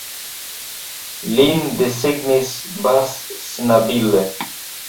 Lin desegnis Bas Snabilie.